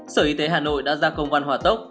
sở y tế hà nội đã ra công văn hỏa tốc